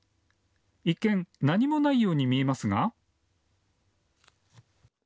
一見、何もないように見えますが。